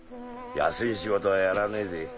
安い仕事はやらねえぜ。